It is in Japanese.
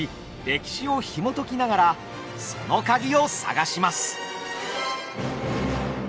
歴史をひもときながらそのカギを探します。